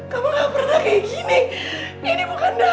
kamu nggak pernah kayak gini ini bukan daniel